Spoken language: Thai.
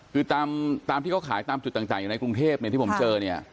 คือตามที่เขาขายตามจุดต่างอยู่ในกรุงเทพที่ผมเจอเนี่ย